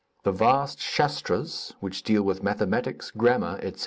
the vast Shastras, which deal with mathematics, grammar, etc.